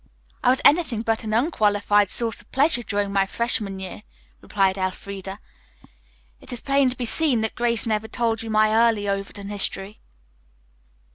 "I was anything but an unqualified source of pleasure during my freshman year," replied Elfreda. "It is plain to be seen that Grace never told you my early Overton history."